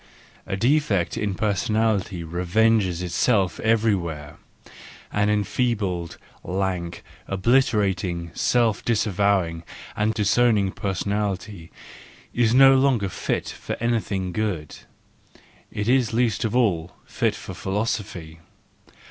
—A defect in personality revenges itself everywhere: an enfeebled, lank, obliterated, self disavowing and disowning person¬ ality is no longer fit for anything good—it is least of all fit for philosophy.